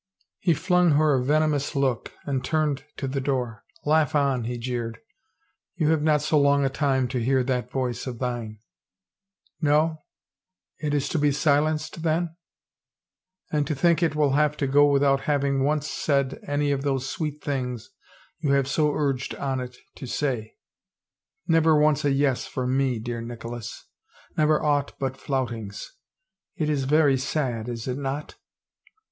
He flung her a venomous look and turned to the door. " Laugh on," he jeered. " You have not so long a time to hear that voice of thine 1 "" No ? It is to be silenced, then ?... And to think it will have to go without having once said any of those sweet things you have so urged on it to sayl Never once a yes, from me, dear Nicholas! Never aught but floutingsl It is very sad, is it not?"